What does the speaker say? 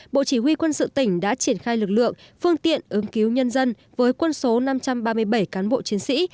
bộ chỉ huy quân sự tỉnh đã triển khai lực lượng phương tiện ứng cứu nhân dân với quân số năm trăm ba mươi bảy cán bộ chiến sĩ